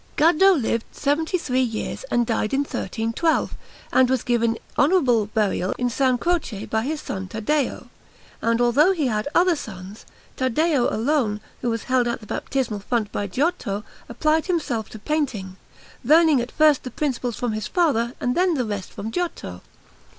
Gaddo lived seventy three years, and died in 1312, and was given honourable burial in S. Croce by his son Taddeo. And although he had other sons, Taddeo alone, who was held at the baptismal font by Giotto, applied himself to painting, learning at first the principles from his father and then the rest from Giotto.